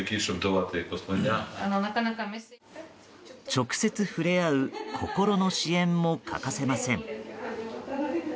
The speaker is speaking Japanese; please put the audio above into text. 直接触れ合う心の支援も欠かせません。